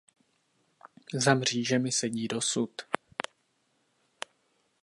Za mřížemi sedí dosud.